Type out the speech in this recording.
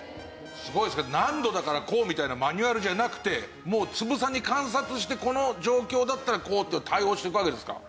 何度だからこうみたいなマニュアルじゃなくてもうつぶさに観察してこの状況だったらこうって対応していくわけですか？